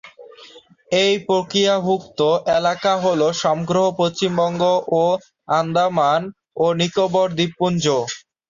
এর এক্তিয়ারভুক্ত এলাকা হল সমগ্র পশ্চিমবঙ্গ ও আন্দামান ও নিকোবর দ্বীপপুঞ্জ।